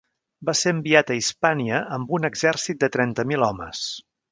Va ser enviat a Hispània amb un exèrcit de trenta mil homes.